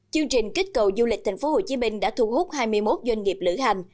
chương trình kích cầu du lịch thành phố hồ chí minh đã thu hút hai mươi một doanh nghiệp lửa hành